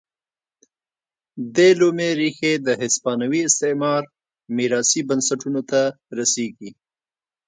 دې لومې ریښې د هسپانوي استعمار میراثي بنسټونو ته رسېږي.